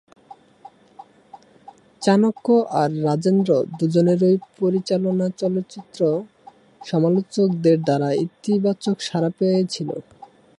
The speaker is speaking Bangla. চাণক্য আর রাজেন্দ্র দুজনেরই পরিচালনা চলচ্চিত্র-সমালোচকদের দ্বারা ইতিবাচক সাড়া পেয়েছিলো।